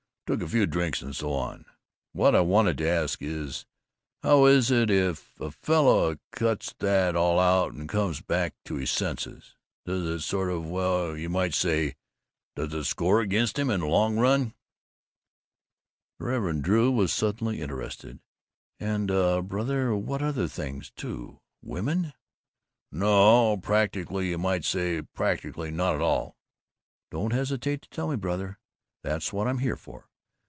Took a few drinks and so on. What I wanted to ask is: How is it if a fellow cuts that all out and comes back to his senses? Does it sort of, well, you might say, does it score against him in the long run?" The Reverend Dr. Drew was suddenly interested. "And, uh, brother the other things, too? Women?" "No, practically, you might say, practically not at all." "Don't hesitate to tell me, brother! That's what I'm here for.